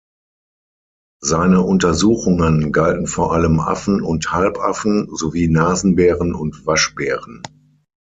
Seine Untersuchungen galten vor allem Affen und Halbaffen sowie Nasenbären und Waschbären.